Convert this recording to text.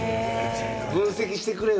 分析をしてくれよ。